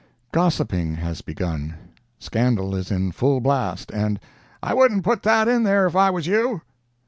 —Gossiping has begun, scandal is in full blast, and— "I wouldn't put that in there if I was you."